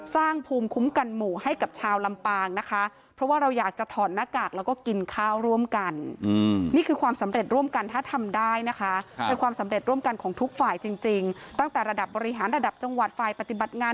ตั้งแต่ระดับบริหารระดับจังหวัดฝ่ายปฏิบัติงาน